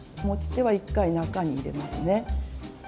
持ち手は一回中に入れますね。